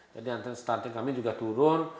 jadi antar stunting kami juga turun